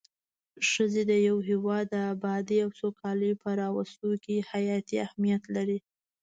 ښځی د يو هيواد د ابادي او سوکالي په راوستو کي حياتي اهميت لري